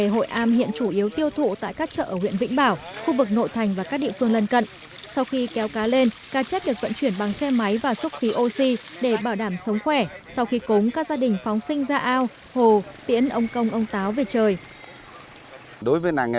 hội am dịp tết ông công ông táo